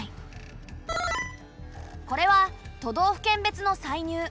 これは都道府県別の歳入。